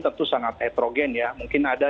tentu sangat heterogen ya mungkin ada